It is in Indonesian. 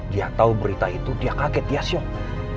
dia tahu berita itu dia kaget dia shock